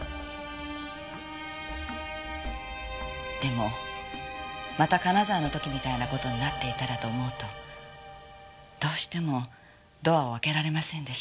でもまた金沢の時みたいな事になっていたらと思うとどうしてもドアを開けられませんでした。